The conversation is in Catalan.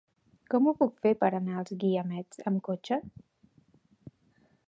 Com ho puc fer per anar als Guiamets amb cotxe?